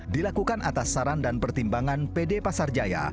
dilakukan atas saran dan pertimbangan pd pasar jaya